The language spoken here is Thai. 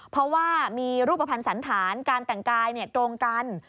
เพราะว่ามีรูปภัณฑ์สันธารการแต่งกายตรงกัน